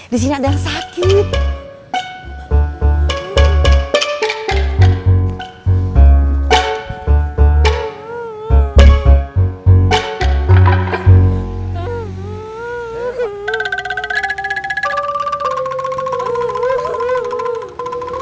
disini ada yang sakit